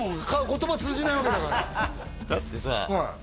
言葉通じないわけだからだってさ